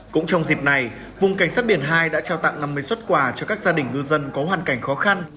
cũng trong dịp này vùng cảnh sát biển hai đã trao tặng năm mươi xuất quà cho các gia đình ngư dân có hoàn cảnh khó khăn